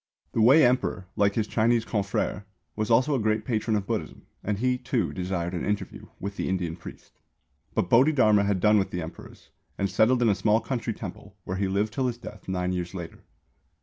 The Wei Emperor, like his Chinese confrère, was also a great patron of Buddhism, and he, too, desired an interview with the Indian priest. But Bodhidharma had done with Emperors, and settled in a small country temple, where he lived till his death nine years later.